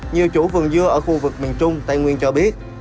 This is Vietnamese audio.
nhiều chủ vườn dưa ở khu vực miền trung tây nguyên cho biết